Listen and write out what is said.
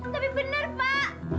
tapi benar pak